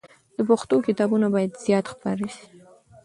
د پښتو کتابونه باید زیات خپاره سي.